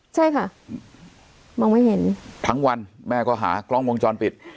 ใช่ค่ะมองไม่เห็นทั้งวันแม่ก็หากล้องวงจรปิด